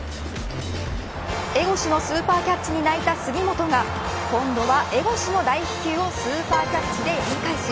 江越のスーパーキャッチに泣いた杉本が今度は江越の大飛球をスーパーキャッチでお返し。